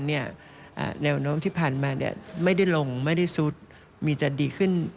แนวโน้มที่ผ่านมาไม่ได้ลงไม่ได้ซุดมีจะดีขึ้น